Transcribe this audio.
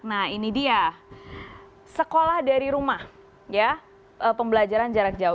nah ini dia sekolah dari rumah ya pembelajaran jarak jauh